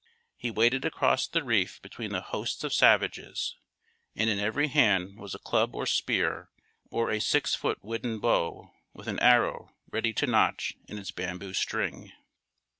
He waded across the reef between the hosts of savages, and in every hand was a club or spear or a six foot wooden bow with an arrow ready to notch in its bamboo string.